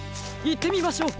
いってみましょう！